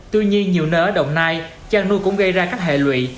tuy nhiên nhiều nơi ở đồng nai chăn nuôi cũng gây ra các hệ lụy